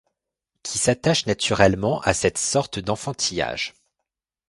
qui s'attache naturellement à cette sorte d’enfantillage.